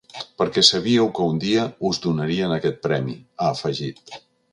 Perquè sabíeu que un dia us donarien aquest premi, ha afegit.